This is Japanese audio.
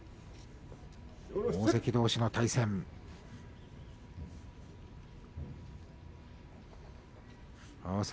大関どうしの対戦です。